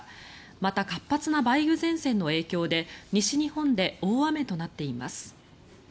また、活発な梅雨前線の影響で西日本で大雨となっています。